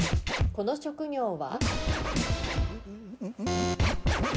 この職業は？